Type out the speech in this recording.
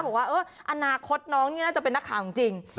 บอกว่าเอออนาคตน้องนี่น่าจะเป็นนักข่าวของจริง